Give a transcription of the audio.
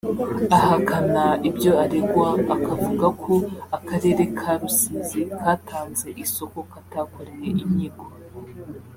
ahakana ibyo aregwa akavuga ko Akarere ka Rusizi katanze isoko katakoreye inyigo